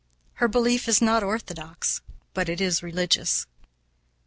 Her belief is not orthodox, but it is religious.